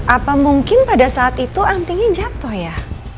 apa mungkin pada saat itu antinya jatuh ya